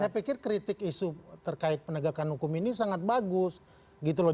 saya pikir kritik isu terkait penegakan hukum ini sangat bagus gitu loh